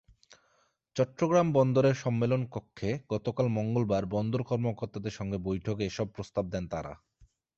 চট্টগ্রাম বন্দরের সম্মেলনকক্ষে গতকাল মঙ্গলবার বন্দর কর্মকর্তাদের সঙ্গে বৈঠকে এসব প্রস্তাব দেন তাঁরা।